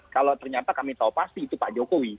kalau ternyata kami tahu pasti itu pak jokowi